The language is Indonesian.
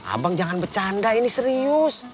abang jangan bercanda ini serius